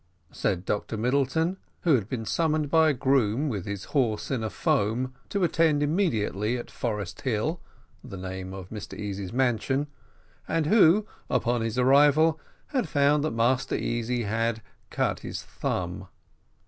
said Dr Middleton, who had been summoned by a groom with his horse in a foam to attend immediately at Forest Hill, the name of Mr Easy's mansion, and who, upon his arrival, had found that Master Easy had cut his thumb.